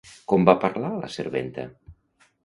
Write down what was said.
Com va parlar la serventa?